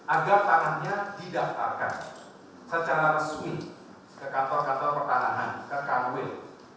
agar tangannya didaftarkan secara resmi ke kantor kantor pertahanan ke kanwil